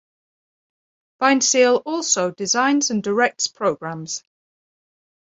Weinzierl also designs and directs programmes.